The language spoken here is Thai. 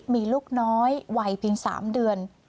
มีลูกน้อยวัยเพียง๓เดือน